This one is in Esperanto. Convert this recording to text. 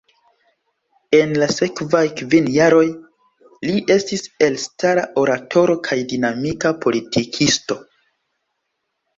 En la sekvaj kvin jaroj, li estis elstara oratoro kaj dinamika politikisto.